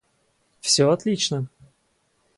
Всё отлично